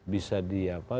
bisa di apa